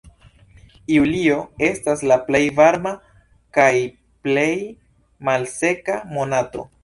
Julio estas la plej varma kaj plej malseka monato.